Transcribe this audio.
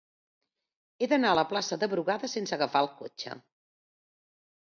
He d'anar a la plaça de Brugada sense agafar el cotxe.